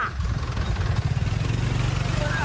พี่ไก่แก่มากเลยอ่ะ